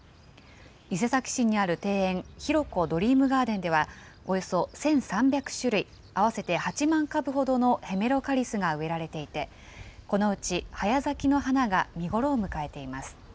伊勢崎市にある庭園、ヒロコドリームガーデンでは、およそ１３００種類、合わせて８万株ほどのヘメロカリスが植えられていて、このうち早咲きの花が見頃を迎えています。